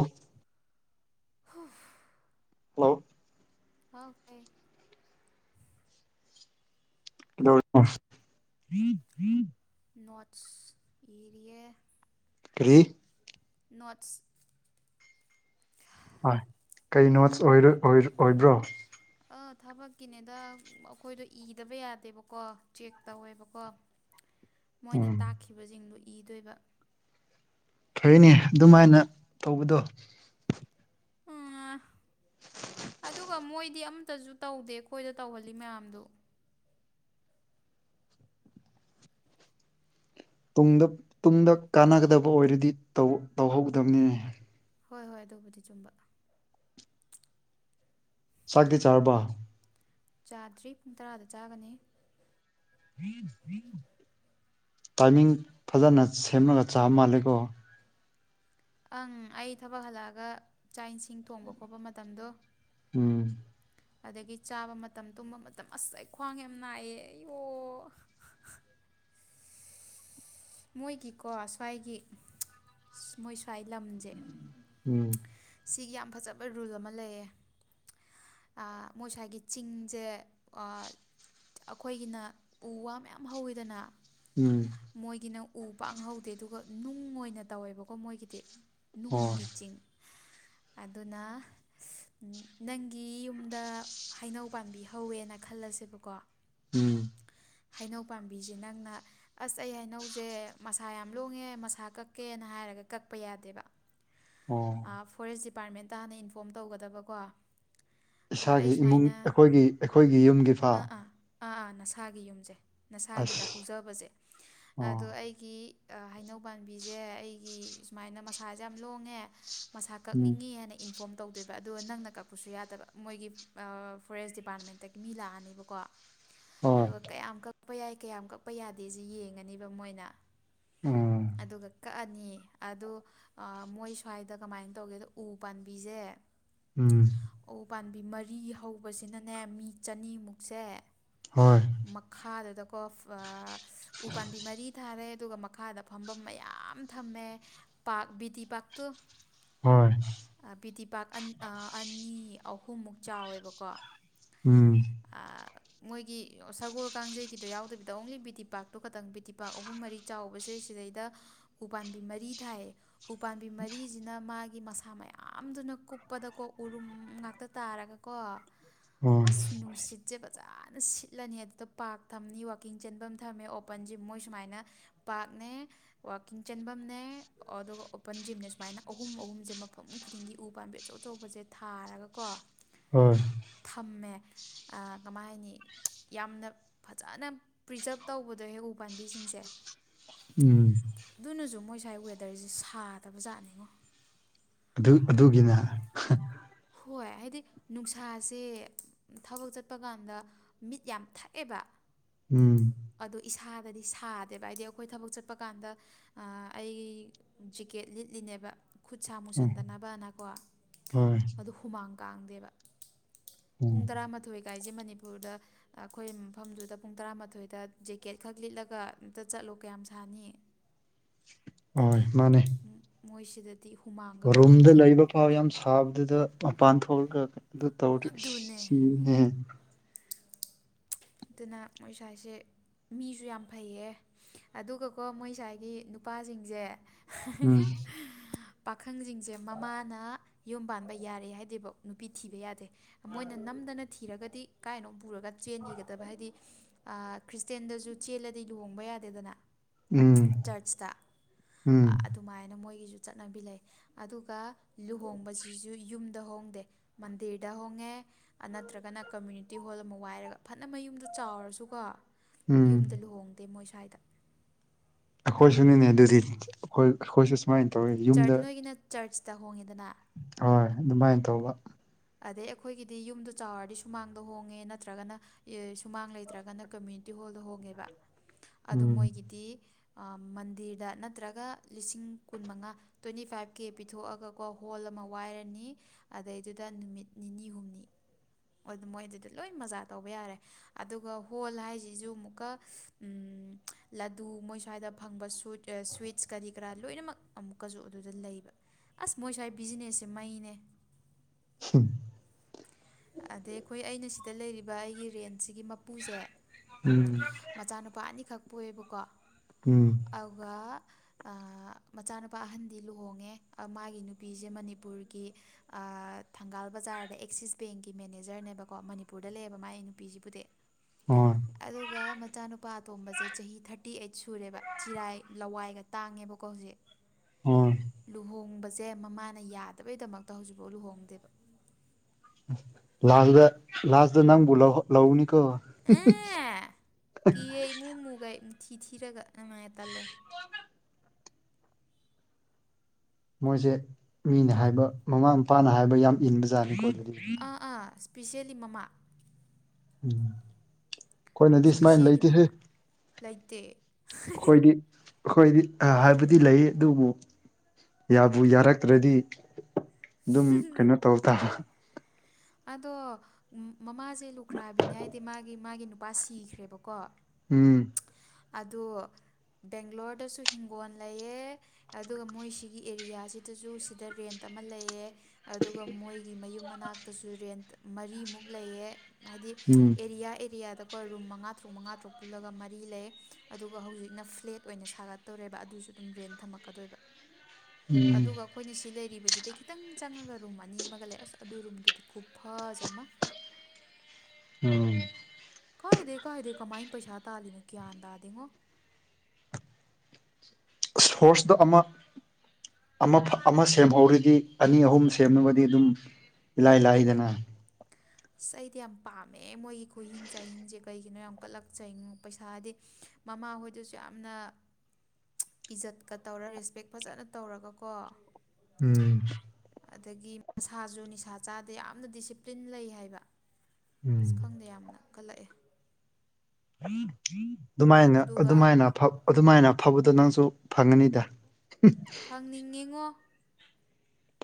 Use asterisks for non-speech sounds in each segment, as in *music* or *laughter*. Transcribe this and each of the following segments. ꯎ *unintelligible* ꯍꯨ ꯍꯂꯣ ꯑꯣ ꯐꯦ *unintelligible* *unintelligible* ꯅꯣꯔꯠꯁ ꯑꯦꯔꯤꯌꯦ ꯐꯔꯤ ꯅꯣꯠꯁ ꯍꯣꯏ ꯀꯩ ꯅꯣꯠꯁ ꯑꯣꯏꯔ ꯑꯣꯏꯔꯣ ꯑꯣꯏꯕ꯭ꯔꯣ ꯑ ꯊꯕꯛꯀꯤꯅꯤꯗ ꯑꯩꯈꯣꯏꯗꯣ ꯏꯗꯕ ꯌꯥꯗꯦꯕꯀꯣ ꯆꯦꯛ ꯇꯧꯋꯦꯕꯀꯣ ꯃꯣꯏꯅ ꯎꯝ ꯇꯥꯛꯈꯤꯕꯁꯤꯡꯗꯨ ꯏꯗꯣꯏꯕ ꯐꯩꯅꯦ ꯑꯗꯨꯃꯥꯏꯅ ꯇꯧꯕꯗꯣ *unintelligible* ꯑꯗꯨꯒ ꯃꯣꯏꯗꯤ ꯑꯝꯇꯁꯨ ꯇꯧꯗꯦ ꯑꯩꯈꯣꯏꯗ ꯇꯧꯍꯜꯂꯤ ꯃꯌꯥꯝꯗꯨ ꯇꯨꯡꯗ ꯇꯨꯡꯗ ꯀꯥꯟꯅꯒꯗꯕ ꯑꯣꯏꯔꯗꯤ ꯇꯧ ꯇꯧꯍꯧꯗꯕꯅꯤꯅꯦ ꯍꯣꯏ ꯍꯣꯏ ꯑꯗꯨꯕꯨꯗꯤ ꯆꯨꯝꯕ ꯆꯥꯛꯇꯤ ꯆꯥꯔꯕ ꯆꯥꯗ꯭ꯔꯤ ꯄꯨꯡ ꯇꯔꯥꯗ ꯆꯥꯒꯅꯤ *unintelligible* ꯇꯥꯏꯃꯤꯡ ꯐꯖꯅ ꯁꯦꯝꯃꯒ ꯆꯥ ꯃꯥꯜꯂꯦꯀꯣ ꯑꯪ ꯑꯩ ꯊꯕꯛ ꯍꯜꯂꯛꯑꯒ ꯆꯥꯛ ꯏꯟꯁꯤꯡ ꯊꯣꯡꯕ ꯈꯣꯠꯄ ꯃꯇꯝꯗꯣ ꯎꯝ ꯑꯗꯒꯤ ꯆꯥꯕ ꯃꯇꯝ ꯇꯨꯝꯕ ꯃꯇꯝ ꯑꯁ ꯑꯩ ꯈ꯭ꯋꯥꯡ ꯌꯥꯝ ꯅꯥꯏꯌꯦ ꯑꯩꯌꯣ *unintelligible* ꯃꯣꯏꯒꯤꯀꯣ ꯁ꯭ꯋꯥꯏꯒꯤ ꯃꯣꯏ ꯁ꯭ꯋꯥꯏ ꯂꯝꯁꯦ ꯎꯝ ꯁꯤꯒꯤ ꯌꯥꯝ ꯐꯖꯕ ꯔꯨꯜ ꯑꯃ ꯂꯩꯌꯦ ꯑꯥ ꯃꯣꯏꯁꯋꯥꯏꯒꯤ ꯆꯤꯡꯁꯦ ꯑꯥ ꯑꯩꯈꯣꯏꯒꯤꯅ ꯎ ꯋꯥ ꯃꯌꯥꯝ ꯍꯧꯋꯤꯗꯅ ꯎꯝ ꯒꯤꯅ ꯎ ꯄꯥꯡꯍꯧꯗꯦ ꯑꯗꯨꯒ ꯅꯨꯡ ꯑꯣꯏꯅ ꯇꯧꯋꯦꯕꯀꯣ ꯃꯣꯏꯒꯤꯗꯤ ꯍꯣꯏ ꯅꯨꯡꯒꯤ ꯆꯤꯡ ꯑꯗꯨꯅ ꯅꯪꯒꯤ ꯌꯨꯝꯗ ꯍꯩꯅꯧ ꯄꯥꯝꯕꯤ ꯍꯧꯋꯦꯅ ꯈꯜꯂꯁꯦꯕꯀꯣ ꯎꯝ ꯍꯩꯅꯧ ꯄꯥꯝꯕꯤꯁꯦ ꯅꯪꯅ ꯑꯁ ꯑꯩ ꯍꯩꯅꯧꯁꯦ ꯃꯁꯥ ꯌꯥꯝ ꯂꯣꯡꯉꯦ ꯃꯁꯥ ꯀꯛꯀꯦꯅ ꯍꯥꯏ ꯍꯥꯏꯔꯒ ꯀꯛꯄ ꯌꯥꯗꯦꯕ ꯑꯣ ꯑꯥ ꯐꯣꯔꯦꯁ ꯗꯤꯄꯥꯔꯠꯃꯦꯟꯇ ꯍꯥꯟꯅ ꯏꯟꯐꯣꯝ ꯇꯧꯒꯗꯕꯀꯣ ꯑꯩ ꯏꯁꯥꯒꯤ ꯏꯃꯨꯡ ꯁꯨꯃꯥꯏꯅ ꯑꯩꯈꯣꯏꯒꯤ ꯑꯩꯈꯣꯏꯒꯤ ꯌꯨꯝꯒꯤ ꯐꯥꯎ ꯑꯥ ꯑꯥ ꯑꯥ ꯑꯥ ꯅꯁꯥꯒꯤ ꯌꯨꯝꯁꯦ ꯅꯁꯥꯒꯤꯗ ꯑꯁ ꯍꯧꯖꯕꯁꯦ ꯑꯗꯣ ꯑꯣ ꯑꯩꯒꯤ ꯍꯩꯅꯧ ꯄꯥꯝꯕꯤꯁꯦ ꯑꯩꯒꯤ ꯁꯨꯃꯥꯏꯅ ꯃꯁꯥꯁꯦ ꯌꯥꯝ ꯂꯣꯡꯉꯦ ꯃꯁꯥ ꯎꯝ ꯀꯛꯅꯤꯡꯉꯤ ꯍꯥꯏꯅ ꯏꯟꯐꯣꯝ ꯇꯧꯗꯣꯏꯕ ꯑꯗꯨꯒ ꯅꯪꯅ ꯀꯛꯄꯁꯨ ꯌꯥꯗꯕ ꯃꯣꯏꯒꯤ ꯑꯥ ꯐꯣꯔꯦꯁ ꯗꯤꯄꯥꯔꯠꯃꯦꯟꯇꯒꯤ ꯃꯤ ꯂꯥꯛꯑꯅꯦꯕꯀꯣ ꯍꯣꯏ ꯑꯗꯨꯒ ꯀꯌꯥꯝ ꯀꯛꯄ ꯌꯥꯏ ꯀꯌꯥꯝ ꯀꯛꯄ ꯌꯥꯗꯦꯁꯤ ꯌꯦꯡꯉꯅꯤꯕ ꯃꯣꯏꯅ ꯎꯝ ꯑꯗꯨꯒ ꯀꯛꯑꯅꯤ ꯑꯗꯨ ꯃꯣꯏ ꯁ꯭ꯋꯥꯏꯗ ꯀꯃꯥꯏꯅ ꯇꯧꯒꯦꯗꯣ ꯎ ꯄꯥꯝꯕꯤꯁꯦ ꯎꯝ ꯎ ꯄꯥꯝꯕꯤ ꯃꯔꯤ ꯍꯧꯕꯁꯤꯅꯅꯦ ꯃꯤ ꯆꯅꯤꯃꯨꯛꯁꯦ ꯍꯣꯏ ꯃꯈꯥꯗꯨꯗꯀꯣ ꯎ ꯄꯥꯝꯕꯤ ꯃꯔꯤ ꯊꯥꯔꯦ ꯑꯗꯨꯒ ꯃꯈꯥꯗ ꯐꯝꯕꯝ ꯃꯌꯥꯝ ꯊꯝꯃꯦ ꯄꯥꯛ ꯕꯤꯇꯤ ꯄꯥꯔꯛꯇꯨ ꯍꯣꯏ ꯕꯤꯗꯤ ꯄꯥꯛ ꯑꯅꯤ ꯑꯍꯨꯝꯃꯨꯛ ꯆꯥꯎꯋꯦꯕꯀꯣ ꯎꯝ ꯃꯣꯏꯒꯤ ꯁꯒꯣꯜ ꯀꯥꯡꯖꯩꯒꯤꯗꯣ ꯌꯥꯎꯗꯕꯤꯗ ꯑꯣꯡꯂꯤ ꯕꯤ ꯇꯤ ꯄꯥꯛꯇꯣ ꯈꯇꯪ ꯕꯤ ꯇꯤ ꯄꯥꯛ ꯑꯍꯨꯝ ꯃꯔꯤ ꯆꯥꯎꯕꯁꯦ ꯁꯤꯗꯩꯗ ꯎꯄꯥꯝꯕꯤ ꯃꯔꯤ ꯊꯥꯏꯌꯦ ꯎꯄꯥꯝꯕꯤ ꯃꯔꯤꯁꯤꯅ ꯃꯥꯒꯤ ꯃꯁꯥ ꯃꯌꯥꯝꯗꯨꯅ ꯅ ꯀꯨꯞꯄꯗꯀꯣ ꯎꯔꯨꯝ ꯉꯥꯛꯇ ꯇꯥꯔꯒꯀꯣ ꯍꯣꯏ ꯑꯁ ꯅꯨꯡꯁꯤꯠꯁꯦ ꯐꯖꯥ ꯅ ꯁꯤꯠꯂꯅꯤ ꯑꯗꯨꯗ ꯄꯥꯔꯛ ꯊꯝꯅꯤ ꯋꯥꯛꯀꯤꯡ ꯆꯦꯟꯕꯝ ꯊꯝꯅꯤ ꯑꯣꯄꯟ ꯖꯤꯝ ꯃꯣꯏ ꯁꯨꯃꯥꯏꯅ ꯄꯥꯔꯛꯅꯦ ꯋꯥꯀꯤꯡ ꯆꯦꯟꯐꯝꯅꯦ ꯑꯗꯨꯒ ꯑꯣꯄꯟ ꯖꯤꯝꯅꯦ ꯁꯨꯃꯥꯏꯅ ꯑꯍꯨꯝ ꯑꯍꯨꯝꯁꯦ ꯃꯐꯝ ꯈꯨꯗꯤꯡꯒꯤ ꯎ ꯄꯥꯝꯕꯤ ꯑꯆꯧ ꯑꯆꯧꯕꯁꯦ ꯊꯥꯔꯒꯀꯣ ꯍꯣꯏ ꯃꯦ ꯑꯥ ꯀꯃꯥꯏ ꯍꯥꯏꯅꯤ ꯌꯥꯝꯅ ꯐꯖꯅ ꯄ꯭ꯔꯤꯖꯥꯕ ꯇꯧꯕꯗꯣ ꯍꯦꯛ ꯎ ꯄꯥꯝꯕꯤꯁꯤꯡꯁꯦ ꯎꯝ ꯉꯥꯏ ꯋꯦꯗꯔꯁꯤꯦ ꯁꯥꯗꯕ ꯖꯥꯠꯅꯤꯉꯣ ꯑꯗꯨ ꯑꯗꯨꯒꯤꯅ ꯍꯣꯏ ꯍꯥꯏꯗꯤ ꯅꯨꯡꯁꯥꯁꯦ ꯊꯕꯛ ꯆꯠꯄ ꯀꯥꯟꯗ ꯃꯤꯠ ꯌꯥꯝ ꯊꯛꯑꯦꯕ ꯎꯝ ꯑꯗꯨꯗ ꯏꯁꯥꯗꯗꯤ ꯁꯥꯗꯦꯕ ꯍꯥꯏꯗꯤ ꯑꯩꯈꯣꯏ ꯊꯕꯛ ꯆꯠꯄ ꯀꯥꯟꯗ ꯑꯩ ꯇꯤꯀꯦꯠ ꯂꯤꯠꯂꯤꯅꯦꯕ ꯈꯨꯠ ꯁꯥ ꯎꯝ ꯃꯨꯁꯟꯗꯅꯕꯅꯀꯣ ꯍꯣꯏ ꯑꯗꯨ ꯍꯨꯃꯥꯡ ꯀꯥꯡꯗꯦꯕ ꯎꯝ ꯄꯨꯡ ꯇꯔꯥꯃꯥꯊꯣꯏ ꯀꯥꯏꯁꯦ ꯃꯅꯤꯄꯨꯔꯗ ꯑꯩꯈꯣꯏ ꯃꯐꯝꯗꯨꯗ ꯄꯨꯡ ꯇꯔꯥꯃꯥꯊꯣꯏ ꯑ ꯖꯦꯀꯦꯠ ꯈꯛ ꯂꯤꯠꯂꯒ ꯑꯝꯇ ꯆꯠꯂꯣ ꯀꯌꯥꯝ ꯁꯥꯅꯤ ꯑꯣꯏ ꯃꯥꯅꯦ ꯃꯣꯏꯁꯤꯗꯗꯤ ꯍꯨꯃꯥꯡꯒ ꯔꯨꯝꯗ ꯀꯥꯡꯗꯦ ꯂꯩꯕ ꯐꯥꯎ ꯌꯥꯝ ꯁꯥꯕꯗꯨꯗ ꯃꯄꯥꯟ ꯊꯣꯛꯂꯒ ꯑꯗꯨ ꯇꯧꯔꯤ ꯑꯗꯨꯅꯦ ꯁꯤꯅꯦ ꯑꯗꯨꯅ ꯃꯣꯏ ꯏꯁꯁꯦ ꯃꯤꯁꯨ ꯌꯥꯝ ꯐꯩꯌꯦ ꯑꯗꯨꯒꯀꯣ ꯃꯣꯏ ꯉꯁꯥꯏꯒꯤ ꯅꯨꯄꯥꯁꯤꯡꯁꯦ ꯍ ꯎꯝ ꯄꯥꯈꯪꯁꯤꯡꯁꯦ ꯃꯃꯥꯅ ꯌꯨꯝ ꯄꯥꯟꯕ ꯌꯥꯔꯦ ꯍꯥꯏꯗꯤꯕ ꯅꯨꯄꯤ ꯊꯤꯕ ꯌꯥꯗꯦ ꯃꯣꯏꯅ ꯅꯝ ꯝꯗꯅ ꯊꯤꯔꯒꯗꯤ ꯀꯥꯏꯅꯣ ꯄꯨꯔꯒ ꯆꯦꯟꯈꯤꯒꯗ ꯕ ꯍꯥꯏꯗꯤ ꯈ꯭ꯔꯤꯁꯇꯦꯟꯗꯁꯨ ꯆꯦꯜꯂꯗꯤ ꯂꯨꯍꯣꯡꯕ ꯌꯥꯗꯦꯗꯅ ꯎꯝ ꯆꯔꯆꯇ ꯎꯝ ꯑꯗꯨꯃꯥꯏꯅ ꯃꯣꯏꯒꯤꯁꯨ ꯆꯠꯅꯕꯤ ꯂꯩ ꯑꯗꯨꯒ ꯂꯨꯍꯣꯡꯕꯁꯤꯁꯨ ꯌꯨꯝ ꯗ ꯍꯣꯡꯗꯦ ꯃꯟꯗꯤꯔꯗ ꯍꯣꯡꯉꯦ ꯅꯠꯇ꯭ꯔꯒꯅ ꯀꯝꯃ꯭ꯌꯨꯅꯤꯇꯤ ꯍꯣꯜ ꯑꯃ ꯋꯥꯏꯔꯒ ꯐꯅ ꯃꯌꯨꯝꯗ ꯆꯥꯎꯔꯁꯨꯀꯣ ꯎꯝ ꯌꯨꯝꯗ ꯂꯨꯍꯣꯡꯗꯦ ꯃꯣꯏ ꯁ꯭ꯋꯥꯏꯗ ꯁꯨꯅꯤꯅꯦ ꯑꯗꯨꯗꯤ ꯑꯩꯈꯣꯏ ꯑꯩꯈꯣꯏꯁꯨ ꯁꯨꯃꯥꯏꯅ ꯇꯧꯋꯤ ꯌꯨꯝꯗ ꯆꯥꯛꯍꯣꯡꯉꯤꯗꯅ ꯍꯣꯏ ꯑꯗꯨꯃꯥꯏꯅ ꯇꯧꯕ ꯑꯗꯩ ꯑꯩꯈꯣꯏꯒꯤꯗꯤ ꯌꯨꯝꯗꯣ ꯆꯥꯎꯔꯗꯤ ꯁꯨꯃꯥꯡꯗ ꯍꯣꯡꯉꯦ ꯅꯠꯇ꯭ꯔꯒꯅ ꯁꯨꯃꯥꯡ ꯂꯩꯇ꯭ꯔꯒꯅ ꯀꯝꯃ꯭ꯌꯨꯅꯤꯇꯤ ꯍꯣꯗ ꯍꯣꯡꯉꯦꯕ ꯑ ꯎꯝ ꯃꯣꯏꯒꯤꯗꯤ ꯃꯟꯗꯤꯔꯗ ꯅꯠꯇ꯭ꯔꯒ ꯂꯤꯁꯤꯡ ꯀꯨꯟ ꯃꯉꯥ ꯇ꯭ꯋꯦꯟꯇꯤ ꯐꯥꯏꯚ ꯀꯦ ꯄꯤꯊꯣꯛꯑꯒꯀꯣ ꯍꯣꯜ ꯑꯃ ꯋꯥꯏꯔꯅꯤ ꯑꯗꯩꯗꯨꯗ ꯅꯨꯃꯤꯠ ꯅꯤꯅꯤ ꯍꯨꯝꯅꯤ ꯑꯗꯨ ꯃꯣꯏ ꯑꯗꯨꯗꯤ ꯂꯣꯏ ꯃꯖꯥ ꯇꯧꯕ ꯌꯥꯔꯦ ꯑꯗꯨꯒ ꯍꯣꯜ ꯍꯥꯏꯁꯤꯁꯨ ꯑꯃꯨꯛꯀ ꯂꯗꯨ ꯃꯣꯏ ꯁ꯭ꯋꯥꯏꯗ ꯐꯪꯕ ꯁ ꯁ꯭ꯋꯤꯠꯁ ꯀꯔꯤ ꯀꯔꯥ ꯂꯣꯏꯅꯃꯛ ꯑꯃꯨꯛꯀꯁꯨ ꯑꯗꯨꯗ ꯂꯩꯕ ꯑꯁ ꯃꯣꯏ ꯁ꯭ꯋꯥꯏ ꯕꯤꯖꯤꯅꯦꯁꯁꯦ ꯃꯩꯅꯦ ꯎꯝ ꯑꯗꯩ ꯑꯩꯈꯣꯏ ꯑꯩꯅ ꯁꯤꯗ ꯂꯩꯔꯤꯕ ꯑꯩꯒꯤ ꯔꯦꯟ ꯁꯤꯒꯤ ꯃꯄꯨꯁꯦ ꯎꯝ ꯃꯆꯥꯅꯨꯄꯥ ꯑꯅꯤꯈꯛ ꯄꯌꯦꯕꯀꯣ ꯎꯝ ꯑꯗꯨꯒ ꯃꯆꯥꯅꯨꯄꯥ ꯑꯍꯟꯗꯤ ꯂꯨꯍꯣꯡꯉꯦ ꯃꯥꯒꯤ ꯅꯨꯄꯤꯁꯦ ꯃꯅꯤꯄꯨꯔꯒꯤ ꯊꯪꯒꯥꯜ ꯕꯖꯥꯔꯗ ꯑꯦꯛꯁꯤꯁ ꯕꯦꯡꯒꯤ ꯃꯦꯅꯦꯖꯔꯅꯦꯕꯀꯣ ꯃꯅꯤꯄꯨꯔꯗ ꯂꯩꯌꯦꯕ ꯃꯥꯏ ꯅꯨꯄꯤꯁꯤꯕꯨꯗꯤ ꯍꯣꯏ ꯑꯗꯨꯒ ꯃꯆꯥꯅꯨꯄꯥ ꯑꯇꯣꯝꯕꯁꯦ ꯆꯍꯤ ꯊꯥꯔꯇꯤ ꯑꯩꯠ ꯁꯨꯔꯦꯕ ꯆꯤꯔꯥꯏ ꯂꯋꯥꯏꯒ ꯇꯥꯡꯉꯦꯕꯀꯣ ꯍꯧꯖꯤꯛ ꯍꯣꯏ ꯂꯨꯍꯣꯡꯕ ꯁꯦ ꯃꯃꯥꯅ ꯌꯥꯗꯕꯩꯗꯃꯛꯇ ꯍꯧꯖꯤꯛꯐꯥꯎ ꯂꯨꯍꯣꯡꯗꯦꯕ ꯂꯜꯒ ꯂꯥꯁꯗ ꯅꯪꯕꯨꯂ ꯂꯎꯅꯤ ꯀ ꯑꯦ ꯊꯤꯊꯤꯔꯒ ꯅꯨꯡꯉꯥꯏ ꯇꯜꯂꯦ ꯃꯣꯏꯁꯦ ꯃꯤꯅ ꯍꯥꯏꯕ ꯃꯃꯥ ꯃꯄꯥꯅ ꯍꯥꯏꯕ ꯌꯥꯝ ꯏꯟꯕ ꯖꯥꯠꯅꯤꯀꯣ ꯑꯗꯨꯗꯤ ꯑꯥ ꯑꯥ ꯏꯁꯄꯤꯁꯦꯜꯂꯤ ꯃꯃꯥ ꯎꯝ ꯑꯩꯈꯣꯏꯅꯗꯤ ꯁꯨꯃꯥꯏꯅ ꯏꯁꯄꯤꯁꯦꯜꯂꯤ ꯂꯩꯇꯦꯍꯦ ꯃꯃꯥ ꯂꯩꯇꯦ ꯑꯩꯈꯣꯏꯗꯤ ꯑꯩꯈꯣꯏꯗꯤ ꯍꯥꯏꯕꯗꯤ ꯂꯩ ꯑꯗꯨꯕꯨ ꯌꯥꯕꯨ ꯌꯥꯔꯛꯇ꯭ꯔꯗꯤ ꯑꯗꯨꯝ ꯀꯩꯅꯣ ꯇꯧ ꯇ ꯑꯗꯣ ꯃꯃꯥꯁꯦ ꯂꯨꯈ꯭ꯔꯥꯕꯤꯅꯦ ꯍꯥꯏꯗꯤ ꯃꯥꯒꯤ ꯃꯥꯒꯤ ꯅꯨꯄꯥ ꯁꯤꯈ꯭ꯔꯦꯕꯀꯣ ꯎꯝ ꯑꯗꯣ ꯕꯦꯡꯒ꯭ꯂꯣꯔꯗꯁꯨ ꯍꯤꯡꯒꯣꯜ ꯂꯩꯑ ꯑꯗꯨꯒ ꯃꯣꯏ ꯁꯤꯒꯤ ꯑꯦꯔꯤꯌꯥꯁꯤꯗꯁꯨ ꯁꯤꯗ ꯔꯦꯟ ꯇ ꯑꯃ ꯂꯩꯑꯦ ꯑꯗꯨꯒ ꯃꯣꯏꯒꯤ ꯃꯌꯨꯝ ꯃꯅꯥꯛꯇꯁꯨ ꯔꯦꯟꯠ ꯃꯔꯤꯃꯨꯛ ꯂꯩꯑꯦ ꯍꯥꯏꯗꯤ ꯎꯝ ꯑꯦꯔꯤꯌꯥ ꯑꯦꯔꯤꯌꯥꯗ ꯑꯩꯣꯏ ꯔꯨꯝ ꯃꯉꯥ ꯇꯔꯨꯛ ꯃꯉꯥ ꯇꯔꯨꯛ ꯄꯨꯜꯂꯒ ꯃꯔꯤ ꯂꯩ ꯑꯗꯨꯒ ꯍꯧꯖꯤꯛꯅ ꯐ꯭ꯂꯦꯠ ꯑꯣꯏꯅ ꯁꯥꯒꯠꯇꯧꯔꯦꯕ ꯑꯗꯨꯁꯨ ꯁꯨ ꯑꯗꯨꯝ ꯔꯦꯟ ꯊꯝꯃꯛꯀꯗꯣꯏꯕ ꯎꯝ ꯑꯗꯨꯒ ꯑꯩꯈꯣꯏꯅ ꯁꯤ ꯂꯩꯔꯤꯕꯁꯤꯗꯩ ꯈꯤꯇꯪ ꯆꯪꯉꯒ ꯔꯨꯝ ꯑꯅꯤ ꯑꯃꯒ ꯂꯩ ꯑꯁ ꯑꯗꯨ ꯔꯨꯝꯗꯨ ꯑꯗꯤꯒꯨꯐ ꯃ ꯎꯝ ꯀꯥꯏꯗꯩ ꯀꯥꯏꯗꯩ ꯀꯃꯥꯏ ꯄꯩꯁꯥ ꯇꯥꯂꯤꯅꯨ ꯀ꯭ꯌꯥꯟ ꯇꯥꯗꯉꯣ ꯁꯣꯔꯁꯇ ꯑꯃ ꯑꯃ ꯁꯦꯝꯍꯧꯔꯤꯗꯤ ꯑꯅꯤ ꯑꯍꯨꯝ ꯁꯦꯝꯃꯒꯗꯤ ꯑꯗꯨꯝ ꯏꯂ ꯂ ꯍꯗꯅ ꯑꯁ ꯑꯩꯗꯤ ꯌꯥꯝ ꯄꯥꯝꯃꯦ ꯃꯣꯏꯒꯤ ꯈꯨꯍꯤꯡ ꯆꯍꯤꯡꯁꯦ ꯀꯩꯒꯤꯅꯣ ꯌꯥꯝ ꯀꯠꯂꯛꯆꯩꯣ ꯄꯩꯁꯥꯗꯤ ꯃꯃꯥ ꯍꯣꯏꯗꯁꯨ ꯌꯥꯝꯅ ꯏꯖꯠꯀ ꯇꯧꯔ ꯔꯦꯁꯄꯦꯛ ꯐꯖꯅ ꯇꯧꯔꯒꯀꯣ ꯎꯝ ꯑꯗꯒꯤ ꯃꯁꯥꯁꯨ ꯅꯤꯁꯥ ꯆꯥꯗ ꯌꯥꯝꯅ ꯗꯤꯁꯤꯄ꯭ꯂꯤꯟ ꯂꯩ ꯍꯥꯏꯕ ꯁ ꯎꯝ ꯈꯪꯗꯦ ꯌꯥꯝꯅ ꯀꯜꯂꯛꯑꯦ ꯑꯗꯨꯃꯥꯏꯅ ꯑꯗꯨꯒ ꯑꯗꯨꯃꯥꯏꯅ ꯑꯗꯨꯃꯥꯏꯅ ꯑꯐꯕꯗ ꯅꯪꯁꯨ ꯐꯪꯉꯅꯤꯗ ꯐꯪꯅꯤꯡꯉꯤꯉꯣ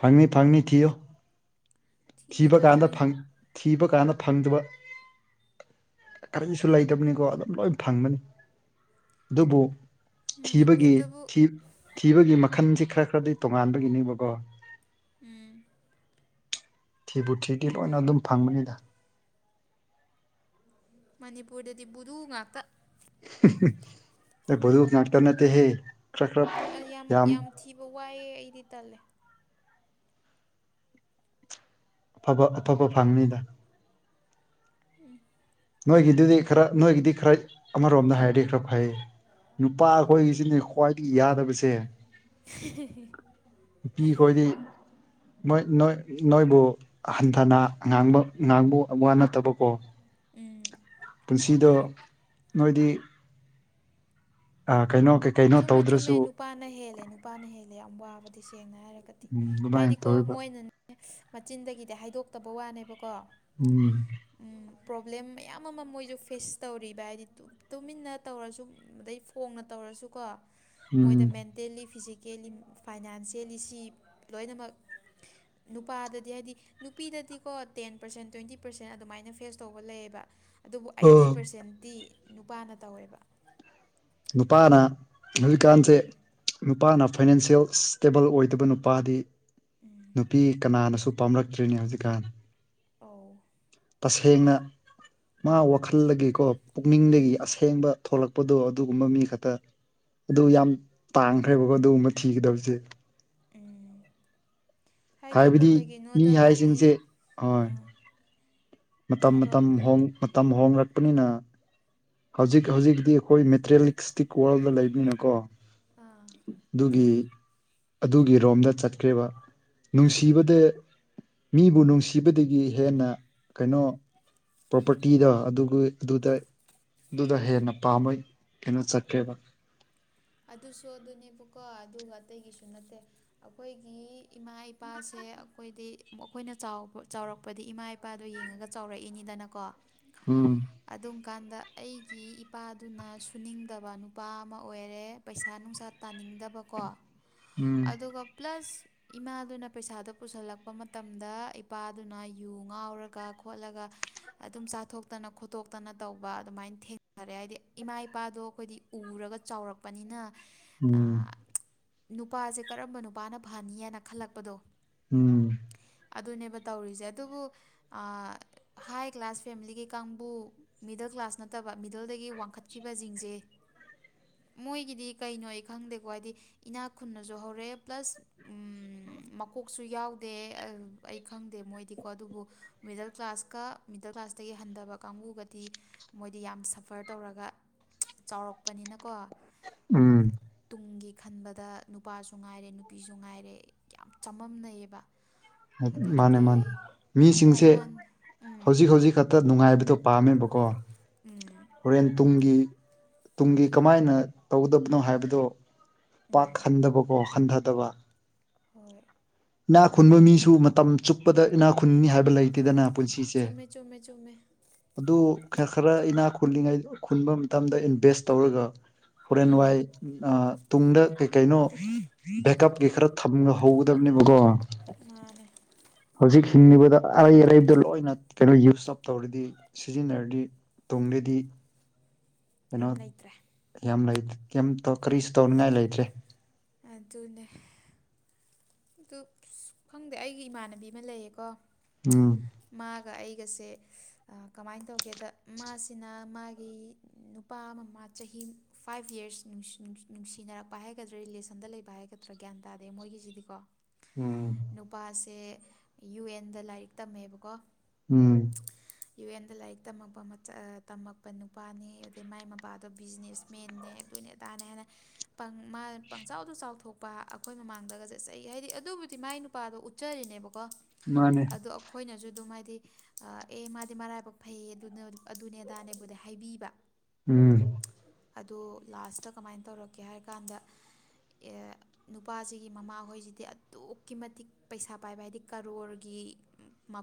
ꯐꯪꯅꯤ ꯐꯪꯅꯤ ꯊꯤꯣ ꯊꯤꯕ ꯀꯥꯟꯗ ꯊꯤꯕꯗꯨꯅꯦ ꯊꯤꯕ ꯀꯥꯟꯗ ꯐꯪꯗꯕ ꯀꯔꯤꯁꯨ ꯂꯩꯇꯕꯅꯤꯀꯣ ꯑꯗꯨꯝ ꯂꯣꯏ ꯐꯪꯕꯅꯤ ꯑꯗꯨꯕꯨ ꯊꯤꯕꯒꯤ ꯃꯅꯤꯄꯨꯔꯗꯕꯨ ꯊꯤꯕꯒꯤ ꯃꯈꯜꯁꯤ ꯈꯔ ꯈꯔꯗꯤ ꯇꯣꯉꯥꯟꯕꯒꯤꯅꯦꯕꯀꯣ ꯎꯝ ꯊꯤꯕꯨ ꯊꯤꯗꯤ ꯂꯣꯏꯅ ꯑꯗꯨꯝ ꯐꯪꯕꯅꯤꯗ ꯃꯅꯤꯄꯨꯔꯗꯗꯤ ꯕꯨꯙ ꯉꯥꯛꯇ ꯗꯨ ꯅꯥꯇꯀ ꯅꯠꯇ ꯍꯦ ꯎꯝ ꯌꯥꯝ ꯌꯥꯝ ꯊꯤꯕ ꯋꯥꯏꯑꯦ ꯑꯩꯗꯤ ꯇꯜꯂꯦ ꯑꯐꯕ ꯑꯐꯣꯕ ꯐꯪꯅꯤꯗ ꯎꯝ ꯅꯣꯏꯒꯤꯗꯨꯗꯤ ꯈꯔ ꯅꯣꯏꯒꯤꯗꯤ ꯈꯔ ꯑꯃꯔꯣꯝꯗ ꯍꯥꯏꯔꯗꯤ ꯈꯔ ꯐꯩ ꯅꯨꯄꯥ ꯑꯩꯈꯣꯏꯒꯤꯁꯤꯅꯦ ꯈ꯭ꯋꯥꯏꯗꯒꯤ ꯌꯥꯗꯕꯁꯦ ꯄ ꯑꯩꯣꯏꯗꯤ ꯅꯣꯏ ꯅꯣꯏ ꯅꯣꯏꯕꯨ ꯍꯟꯊꯅ ꯉꯥꯡꯕ ꯉꯥꯡꯕ ꯋꯥ ꯅꯠꯇꯕꯀꯣ ꯎꯝ ꯄꯨꯟꯁꯤꯗ ꯅꯣꯏꯗꯤ ꯑ ꯆꯨꯝꯃꯦ ꯆꯨꯝꯃꯦ ꯅꯨꯄꯥꯅ ꯍꯦꯜꯂꯦ ꯅꯨꯄꯥꯅ ꯍꯦꯜꯂꯦ ꯌꯥꯝ ꯋꯥꯕꯗꯤ ꯁꯤ ꯁꯦꯡꯅ ꯍꯥꯏꯔꯒꯗꯤ ꯎꯝ ꯑꯗꯨꯃꯥꯏꯅ ꯍꯥꯏꯗꯤꯀꯣ ꯇꯧꯋꯦꯕ ꯃꯣꯏꯅꯅꯦ ꯃꯆꯤꯟꯗꯒꯤꯗꯤ ꯍꯥꯏꯗꯣꯛꯇꯕ ꯋꯥꯅꯦꯕꯀ ꯑꯣ ꯄ꯭ꯔꯣꯕ꯭ꯂꯦꯝ ꯃꯌꯥꯝ ꯑꯃ ꯃꯣꯏꯁꯨ ꯐꯦꯁ ꯇꯧꯔꯤꯕ ꯍꯥꯏꯗꯤ ꯇꯨꯃꯤꯟꯅ ꯇꯧꯔꯁꯨ ꯑꯗꯩ ꯐꯣꯡꯅ ꯇꯧꯔꯁꯨ ꯀꯣ ꯃꯣꯏꯗ ꯎꯝ ꯃꯦꯟꯇꯦꯜꯂꯤ ꯐꯤꯖꯤꯀꯦꯜꯂꯤ ꯐꯥꯏꯅꯥꯟꯁꯦꯜꯂꯤ ꯁꯤ ꯂꯣꯏꯅꯃꯛ ꯀ ꯅꯨꯄꯥꯗꯗꯤ ꯍꯥꯏꯗꯤ ꯅꯨꯄꯤꯗꯗꯤꯀꯣ ꯇꯦꯟ ꯄꯔꯁꯦꯟ ꯇ꯭ꯋꯦꯟꯇꯤ ꯄꯔꯁꯦꯟ ꯑꯗꯨꯃꯥꯏꯅ ꯐꯦꯁ ꯇꯧꯕ ꯂꯩꯌꯦꯕ ꯑꯗꯨꯕꯨ ꯑ ꯑꯩꯠꯇꯤ ꯄꯥꯔꯁꯦꯟꯇꯤ ꯅꯨꯄꯥꯅ ꯇꯧꯋꯦꯕ ꯅꯨꯄꯥꯅ ꯅꯕꯤ ꯀꯥꯟꯁꯦ ꯎꯝ ꯅꯨꯄꯥꯅ ꯐꯥꯏꯅꯥꯟꯁꯤꯌꯦꯜ ꯁ꯭ꯇꯦꯕꯜ ꯑꯣꯏꯗꯕ ꯅꯨꯄꯥꯗꯤ ꯎꯝ ꯅꯨꯄꯤ ꯀꯅꯥꯅꯁꯨ ꯄꯥꯝꯂꯛꯇ꯭ꯔꯤꯅꯦ ꯍꯧꯖꯤꯛꯀꯥꯟ ꯑ ꯇꯁꯦꯡꯅ ꯃꯥ ꯋꯥꯈꯜꯗꯒꯤꯀꯣ ꯄꯨꯛꯅꯤꯡꯗꯒꯤ ꯎꯝ ꯑꯁꯦꯡꯕ ꯊꯣꯛꯂꯛꯄꯗꯣ ꯑꯗꯨꯒꯨꯝꯕ ꯃꯤ ꯈꯛꯇ ꯑꯗꯨ ꯌꯥꯝ ꯇꯥꯡꯈ꯭ꯔꯦꯕꯀꯣ ꯑꯗꯨꯒꯨꯝꯕ ꯊꯤꯒꯗꯕꯁꯦ ꯎꯝ ꯍꯥꯏꯗꯤꯀꯣ ꯍꯥꯏꯕꯗꯤ ꯃꯤ ꯀꯩꯒꯤꯅꯣꯗ ꯃꯥꯒꯤ ꯍꯥꯏꯁꯤꯡꯁꯦ ꯍꯣꯏ ꯃꯇꯝ ꯃꯇꯝ ꯍꯥꯏꯔꯛꯑꯣ ꯍꯣꯡ ꯃꯇꯝ ꯍꯣꯡꯡꯂꯛ ꯊꯣꯛꯄꯅꯤꯅ ꯍꯧꯖꯤꯛ ꯍꯧꯖꯤꯛꯇꯤ ꯑꯩꯈꯣꯏ ꯃꯦꯇꯔꯤꯂꯤꯁꯇꯤꯛ ꯋꯥꯔꯜꯗ ꯂꯩꯕꯅꯤꯅꯀꯣ ꯑꯥ ꯑꯗꯨꯒꯤ ꯑꯗꯨꯒꯤ ꯔꯣꯝꯗ ꯆꯠꯈ꯭ꯦꯔꯤꯕ ꯅꯨꯡꯁꯤꯕꯗ ꯃꯤꯕꯨ ꯅꯨꯡꯁꯤꯕꯗꯒꯤ ꯍꯦꯟꯅ ꯀꯩꯅꯣ ꯄ꯭ꯔꯣꯄꯔꯇꯤꯗ ꯑꯗꯨꯒ ꯑꯗꯨꯗ ꯑꯗꯨꯗ ꯍꯦꯟꯅ ꯄꯥꯝꯃꯩ ꯀꯩꯅꯣ ꯆꯠꯀꯦꯕ ꯑꯗꯨꯁꯨ ꯑꯗꯨꯅꯦꯕꯀꯣ ꯑꯗꯨꯒ ꯑꯇꯩꯒꯤꯁꯨ ꯅꯠꯇꯦ ꯑꯩꯈꯣꯏꯒꯤ ꯏꯃꯥ ꯏꯄꯥꯁꯦ ꯑꯦ ꯑꯩꯈꯣꯏꯗꯤ ꯑꯩꯣꯏꯅ ꯆꯥꯎꯕ ꯆꯥꯎꯔꯛꯄꯗꯤ ꯏꯃꯥ ꯏꯄꯥꯗꯣ ꯌꯦꯡꯉꯒ ꯆꯥꯎꯔꯛꯏꯅꯤꯗꯅꯀꯣ ꯎꯝ ꯑꯗꯨꯝ ꯀꯥꯟꯗ ꯑꯩꯒꯤ ꯏꯄꯥꯗꯨꯅ ꯁꯨꯅꯤꯡꯗꯕ ꯅꯨꯄꯥ ꯑꯃ ꯑꯣꯏꯔꯦ ꯄꯩꯁꯥ ꯅꯨꯡꯁꯥ ꯇꯥꯅꯤꯡꯗꯕꯀꯣ ꯎꯝ ꯑꯗꯨꯒ ꯄ꯭ꯂꯁ ꯏꯃꯥꯗꯨꯅ ꯄꯩꯁꯥꯗꯣ ꯄꯨꯁꯜꯂꯛꯄ ꯃꯇꯝꯗ ꯏꯄꯥꯗꯨꯅ ꯌꯨ ꯉꯥꯎꯔꯒ ꯈꯣꯠꯂꯒ ꯑꯗꯨꯝ ꯆꯥꯊꯣꯛꯇꯅ ꯈꯣꯠꯇꯣꯛꯇꯅ ꯇꯧꯕ ꯑꯗꯨꯃꯥꯏꯅ ꯊꯦꯡꯅꯔꯦ ꯍꯥꯏꯗꯤ ꯏꯃꯥ ꯏꯄꯥꯗꯣ ꯑꯩꯈꯣꯏꯗꯤ ꯎ ꯎꯔꯒ ꯆꯥꯎꯔꯛꯄꯅꯤꯅ ꯎꯝ ꯅꯨꯄꯥꯁꯦ ꯀꯔꯝꯕ ꯅꯨꯄꯥꯅ ꯐꯍꯅꯤ ꯍꯥꯏꯅ ꯈꯜꯂꯛꯄꯗꯣ ꯎꯝ ꯑꯗꯨꯅꯦꯕ ꯇꯧꯔꯤꯁꯦ ꯑꯗꯨꯕꯨ ꯍꯥꯏ ꯀ꯭ꯂꯥꯁ ꯐꯦꯃꯤꯂꯤꯒꯤ ꯀꯥꯡꯕꯨ ꯃꯤꯗꯜ ꯀ꯭ꯂꯥꯁ ꯅꯠꯇꯕ ꯃꯤꯗꯜꯗꯒꯤ ꯋꯥꯡꯈꯠꯈꯤꯕ ꯁꯤꯡꯁꯦ ꯃꯣꯏꯒꯤꯗꯤ ꯀꯩꯅꯣ ꯈꯪꯗꯦꯀꯣ ꯍꯥꯏꯗꯤ ꯏꯅꯥꯛ ꯈꯨꯟꯅꯁꯨ ꯍꯧꯔꯛꯦ ꯄ꯭ꯂꯁ ꯀꯣꯛꯁꯨ ꯌꯥꯎꯗꯦ ꯑꯩ ꯈꯪꯗꯦ ꯃꯣꯏꯗꯤꯀꯣ ꯑꯗꯨꯕꯨ ꯃꯤꯗꯜ ꯀ꯭ꯂꯥꯁꯀ ꯃꯤꯗꯜ ꯀ꯭ꯂꯥꯁꯇ ꯀꯩ ꯍꯟꯊꯕ ꯀꯥꯡꯕꯨꯒꯗꯤ ꯃꯣꯏꯗꯤ ꯌꯥꯝ ꯁꯐꯔ ꯇꯧꯔꯒ ꯆꯥꯎꯔꯛꯄꯅꯤꯅꯀꯣ ꯎꯝ ꯨꯡꯒꯤ ꯈꯟꯕꯗ ꯅꯨꯄꯥꯁꯨ ꯉꯥꯏꯔꯦ ꯅꯨꯄꯤꯁꯨ ꯉꯥꯏꯔꯦ ꯌꯥꯝ ꯆꯃꯝꯅꯩꯑꯌꯦꯕ ꯃꯥꯅꯦ ꯃꯥꯅꯦ ꯃꯤꯁꯤꯡꯁꯦ ꯑꯩꯉꯣꯟ ꯎꯝ ꯍꯧꯖꯤꯛ ꯍꯧꯖꯤꯛ ꯈꯛꯇ ꯅꯨꯡꯉꯥꯏꯕꯗꯣ ꯄꯥꯝꯃꯦꯕꯀꯣ ꯎꯝ ꯍꯣꯔꯦꯟ ꯇꯨꯡꯒꯤ ꯇꯨꯡꯒꯤ ꯀꯃꯥꯏꯅ ꯇꯧꯒꯗꯕꯅꯣ ꯍꯥꯏꯕꯗꯣ ꯎꯝ ꯄꯥꯛꯍꯟꯗꯕꯀꯣ ꯈꯟꯊꯗꯕ ꯍꯣꯏ ꯏꯅꯥ ꯈꯨꯟꯕ ꯃꯤꯁꯨ ꯃꯇꯝ ꯆꯨꯞꯄꯗ ꯏꯅꯥ ꯈꯨꯟꯅꯤ ꯍꯥꯏꯕ ꯂꯩꯇꯦꯗꯅ ꯄꯨꯟꯁꯤꯁꯦ ꯆꯨꯝꯃꯦ ꯆꯨꯝꯃꯦ ꯆꯨꯝꯃꯦ ꯑꯗꯨ ꯈ ꯈꯔ ꯏꯅꯥꯛ ꯈꯨꯜꯂꯤꯉꯩ ꯈꯨꯟꯕ ꯃꯇꯝꯗ ꯏꯟꯚꯦꯁ ꯇꯧꯔꯒ ꯍꯣꯔꯦꯟ ꯎꯝ ꯋꯥꯏ ꯇꯨꯡꯗ ꯀꯩ ꯀꯩꯅꯣ ꯕꯦꯛꯑꯞ ꯀꯩ ꯈꯔ ꯊꯍꯧꯗꯕ ꯕꯣ ꯃꯥꯅꯦ ꯍꯧꯖꯤꯛ ꯊꯤꯡꯉꯤꯕꯗ ꯑꯔꯩ ꯑꯔꯩꯕꯗꯣ ꯂꯣꯏꯅ ꯀꯩꯅꯣ ꯌꯨꯁ ꯑꯞ ꯇꯧꯔꯗꯤ ꯁꯤꯖꯤꯟꯅꯔꯗꯤ ꯇꯨꯡꯗꯗꯤ *unintelligible* ꯀꯩꯅꯣ ꯂꯩꯇ꯭ꯔꯦ ꯌꯥꯝ ꯂꯩ ꯀꯇꯧ ꯀꯔꯤꯁꯨ ꯇꯧꯅꯤꯡꯉꯥꯏ ꯂꯩꯇ꯭ꯔꯦ ꯑꯗꯨꯅꯦ ꯑꯗꯨ ꯈꯪꯗꯦ ꯑꯩꯒꯤ ꯏꯃꯥꯟꯅꯕꯤ ꯑꯃ ꯂꯩꯌꯦꯀꯣ ꯎꯝ ꯑꯗꯨꯒ ꯑꯩꯒꯁꯦ ꯀꯃꯥꯏꯅ ꯇꯧꯒꯦꯗ ꯃꯥꯁꯤꯅ ꯃꯥꯒꯤ ꯅꯨꯄꯥ ꯃꯃꯥ ꯆꯍꯤ ꯐꯥꯏꯚ ꯌꯔꯁ ꯅꯨꯡꯁꯤꯅꯔꯛꯄ ꯍꯥꯏꯒꯗ꯭ꯔꯥ ꯔꯤꯂꯦꯁꯟꯗ ꯂꯩꯕ ꯍꯥꯏꯒꯗ꯭ꯔꯥ ꯑꯒ꯭ꯌꯥꯟ ꯇꯥꯗꯦ ꯃꯒꯤꯁꯤꯗꯤꯀꯣ ꯎꯝ ꯅꯨꯄꯥꯁꯦ ꯌꯨ ꯑꯦꯟꯗ ꯂꯥꯏꯔꯤꯛ ꯇꯝꯃꯦꯕꯀꯣ ꯎꯝ ꯌꯨ ꯑꯦꯟꯗ ꯂꯥꯏꯔꯤꯛ ꯇꯝꯃꯛꯄ ꯃ ꯇꯝꯃꯛꯄ ꯅꯨꯄꯥꯅꯤ ꯑꯗꯩ ꯃꯥꯏ ꯃꯕꯥꯗꯣ ꯕꯤꯖꯤꯅꯦꯁ ꯃꯦꯟꯅꯦ ꯑꯗꯨꯣꯏꯅꯦ ꯇꯅꯦ ꯍꯥꯏꯅ ꯄ ꯃꯥ ꯄꯪꯆꯥꯎꯗ ꯆꯥꯎꯊꯣꯛꯄ ꯑꯩꯈꯣꯏ ꯃꯃꯥꯡꯗꯒꯁꯦ ꯆꯩ ꯍꯥꯏꯗꯤ ꯑꯗꯨꯕꯨꯗꯤ ꯃꯥꯏ ꯅꯨꯄꯥꯗꯣ ꯎꯠꯆꯔꯤꯅꯦꯕꯀꯣ ꯃꯥꯅꯦ ꯑꯗꯣ ꯑꯩꯈꯣꯏꯅꯁꯨ ꯑꯗꯨꯝ ꯍꯥꯏꯗꯤ ꯑꯦ ꯃꯥꯗꯤ ꯃꯔꯥꯏꯕꯛ ꯐꯩꯌꯦ ꯑꯗꯨ ꯑꯗꯨꯅꯦꯗꯥꯅꯦꯕꯨꯗꯤ ꯍꯥꯏꯕꯤꯕ ꯎꯝ ꯑꯗꯣ ꯂꯥꯁꯇ ꯀꯃꯥꯏꯅ ꯇꯧꯔꯛꯀꯦ ꯍꯥꯏꯔ ꯀꯥꯟꯗ ꯅꯨꯄꯥꯁꯤꯒꯤ ꯃꯃꯥ ꯍꯍꯣꯏꯁꯤ ꯍꯥꯏ ꯑꯗꯨꯛꯀꯤ ꯃꯇꯤꯛ ꯄꯩꯁꯥ ꯄꯥꯏꯕ ꯍꯥꯏꯗꯤ ꯀꯔꯣꯔꯒꯤꯄꯨ